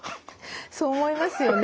そう思いますよね。